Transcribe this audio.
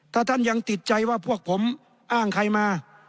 ถ้าท่านยังติดใจว่าพวกผมอ้างใครมา